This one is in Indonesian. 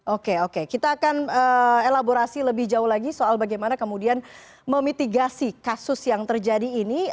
oke oke kita akan elaborasi lebih jauh lagi soal bagaimana kemudian memitigasi kasus yang terjadi ini